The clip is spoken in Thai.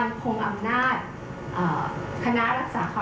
ซึ่งเป็นที่มาของมาตรา๔๔ของนายุทธ์รัฐมนตรี